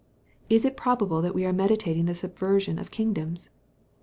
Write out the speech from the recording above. Is it probable that we are meditating the subversion of kingdoms?